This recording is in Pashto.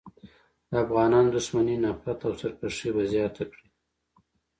د افغانانو دښمني، نفرت او سرکښي به زیاته کړي.